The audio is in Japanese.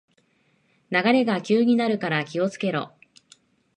流れが急になるから気をつけろ